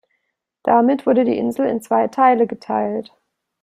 Damit wurde die Insel in zwei Teile geteilt.